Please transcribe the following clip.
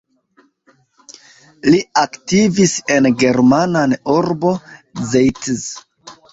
Li aktivis en germana urbo Zeitz.